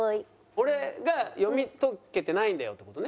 俺が読み解けてないんだよって事ね。